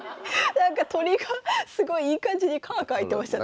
鳥がすごいいい感じにカーカーいってましたね。